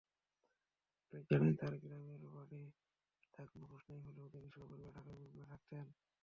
Police জানায়, তাঁর গ্রামের বাড়ি দাগনভূঞায় হলেও তিনি সপরিবারে ঢাকার মিরপুরে থাকতেন।